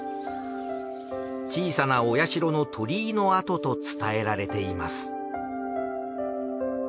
小さな御社の鳥居の跡と伝えられています。